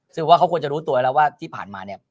ซึ่งว่าเขาควรจะรู้ตัวแล้วว่าที่ผ่านมาเนี่ย